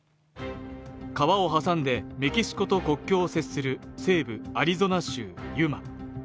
川を挟んでメキシコと国境を接する西部アリゾナ州ユマ